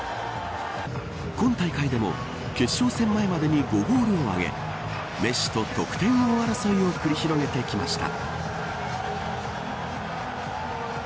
今大会でも決勝戦前までに５ゴールを挙げメッシと得点王争いを繰り広げてきました。